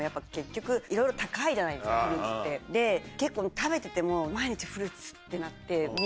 食べてても「毎日フルーツ」ってなって。